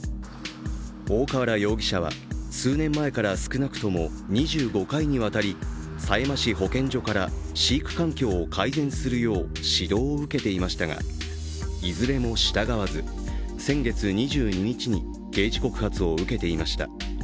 大河原容疑者は数年前から少なくとも２５回にわたり狭山市保健所から飼育環境を改善するよう指導を受けていましたがいずれも従わず、先月２２日に刑事告発を受けていました。